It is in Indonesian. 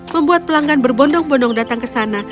membuat pelanggan berbondong bondong datang ke sana